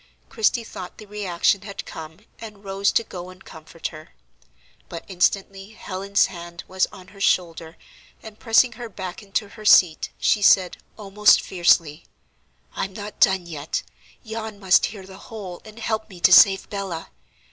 Christie thought the reaction had come, and rose to go and comfort her. But instantly Helen's hand was on her shoulder, and pressing her back into her seat, she said, almost fiercely: "I'm not done yet; yon must hear the whole, and help me to save Bella.